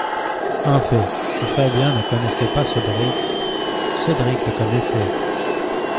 En fait, si Fabian ne connaissait pas ce Drake, ce Drake le connaissait.